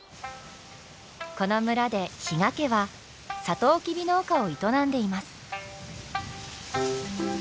この村で比嘉家はサトウキビ農家を営んでいます。